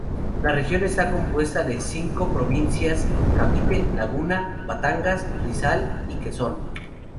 La región está compuesta de cinco provincias: Cavite, Laguna, Batangas, Rizal, y Quezón.